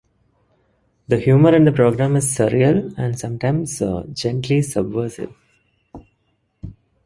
The humour in the programme is surreal and sometimes gently subversive.